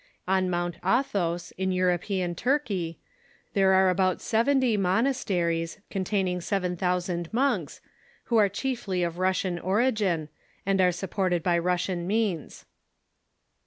On Mt. Athos, in European Turkey, there are about seventy monasteries, containing seven thousand monks, who are chiefly of Russian origin, and are supported b}^ Russian means.